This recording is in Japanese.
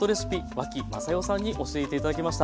脇雅世さんに教えて頂きました。